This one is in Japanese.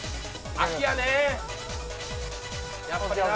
秋やねぇ。